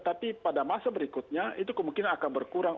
tapi pada masa berikutnya itu kemungkinan akan berkurang